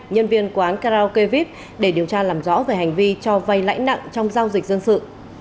nhân viên quán karaokevip để điều tra làm rõ về hành vi cho vay lãi nặng trong giao dịch dân sự